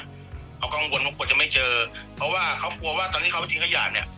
เขากังวลว่ากลัวจะไม่เจอเพราะว่าเขากลัวว่าตอนที่เขาไปทิ้งขยะเนี่ย